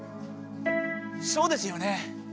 そうですよね？